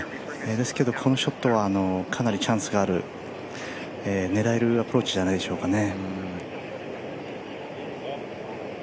ですけど、このショットはかなりチャンスがある、狙えるアプローチじゃないでしょうかね。